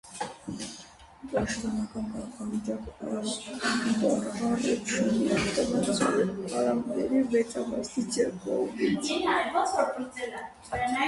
Պաշտոնական կարգավիճակ այս բարբառը չունի, բայց օգտագորժվում է արաբների մեծամասնության կողմից։